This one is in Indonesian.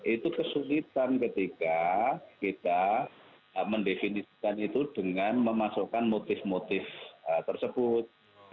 itu kesulitan ketika kita mendefinisikan itu dengan memasukkan motif motif tersebut